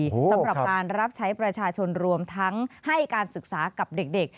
สำหรับการรับใช้ประชาชนรวมทั้งให้การศึกษากับเด็ก